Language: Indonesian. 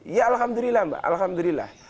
ya alhamdulillah mbak alhamdulillah